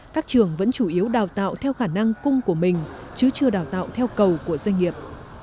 các trường vẫn chủ yếu đào tạo theo khả năng cung của mình chứ chưa đào tạo theo cầu của doanh nghiệp